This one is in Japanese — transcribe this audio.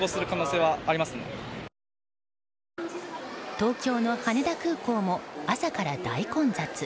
東京の羽田空港も朝から大混雑。